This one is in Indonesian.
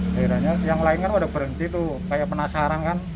akhirnya yang lain kan udah berhenti tuh kayak penasaran kan